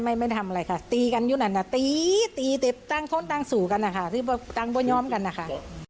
ไม่ไม่ทำอะไรค่ะตีกันอยู่นั่นนะตีตั้งสู่กันค่ะตั้งประย้อมกันค่ะ